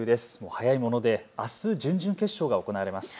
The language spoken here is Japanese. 早いものであす準々決勝が行われます。